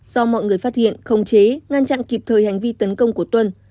do mọi người phát hiện khống chế ngăn chặn kịp thời hành vi tấn công của tuân